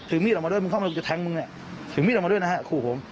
มีดออกมาด้วยมึงเข้ามากูจะแทงมึงเนี่ยถือมีดออกมาด้วยนะฮะขู่ผม